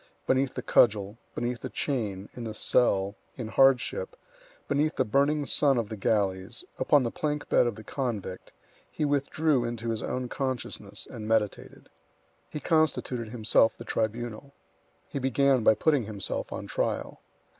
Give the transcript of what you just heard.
Beneath the cudgel, beneath the chain, in the cell, in hardship, beneath the burning sun of the galleys, upon the plank bed of the convict, he withdrew into his own consciousness and meditated. He constituted himself the tribunal. He began by putting himself on trial.